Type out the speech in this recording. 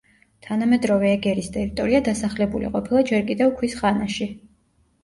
თანამედროვე ეგერის ტერიტორია დასახლებული ყოფილა ჯერ კიდევ ქვის ხანაში.